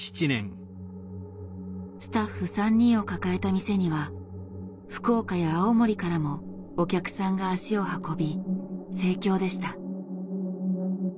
スタッフ３人を抱えた店には福岡や青森からもお客さんが足を運び盛況でした。